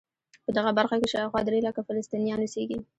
په دغه برخه کې شاوخوا درې لکه فلسطینیان اوسېږي.